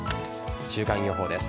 週間予報です。